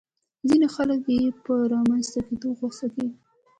ځينې خلک يې په رامنځته کېدو غوسه کېږي.